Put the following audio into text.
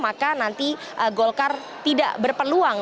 maka nanti golkar tidak berpeluang